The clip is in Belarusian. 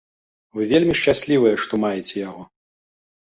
Вы вельмі шчаслівыя, што маеце яго.